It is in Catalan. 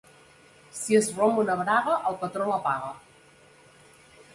Si es romp una braga, el patró la paga.